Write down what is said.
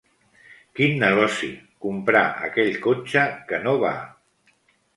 Quin negoci, comprar aquell cotxe que no va!